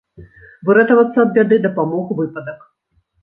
Выратавацца ад бяды дапамог выпадак.